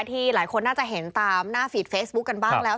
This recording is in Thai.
ที่หลายคนน่าจะเห็นตามหน้าฟีดเฟซบุ๊คกันบ้างแล้ว